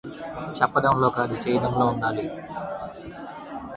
చెప్పడంలో కాదు చేయడంలో ఉండాలి.